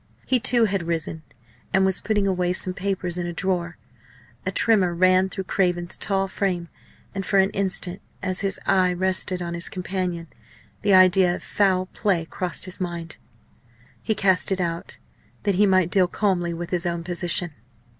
He, too, had risen, and was putting away some papers in a drawer. A tremor ran through Craven's tall frame; and for an instant, as his eye rested on his companion, the idea of foul play crossed his mind. He cast it out, that he might deal calmly with his own position.